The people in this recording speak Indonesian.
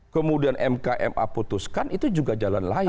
kemudian mkma putuskan itu juga jalan lain